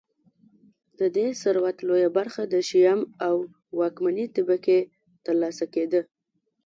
د دې ثروت لویه برخه د شیام او واکمنې طبقې ترلاسه کېده